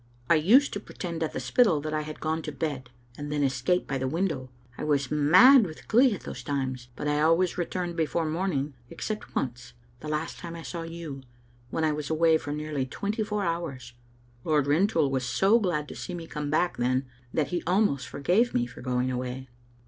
I used to pretend at the Spittal that I had gone to bed, and then escape by the window. I was mad with glee at those times, but I always returned before morning, ex cept once, the last time I saw you, when I was away for nearly twenty four hours. Lord Rintoul was so glad to see me come back then that he almost forgave me for going away.